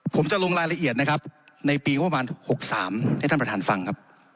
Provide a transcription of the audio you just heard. ผมจะลงรายละเอียดนะครับในปีงบประมาณ๖๓ให้ท่านประธานฟังครับ